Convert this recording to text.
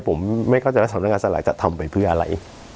ผมไม่เข้าใจว่าสำนักงานสลายจะทำไปเพื่ออะไร